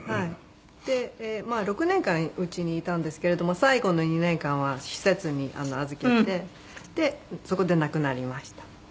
でまあ６年間家にいたんですけれども最後の２年間は施設に預けてでそこで亡くなりました。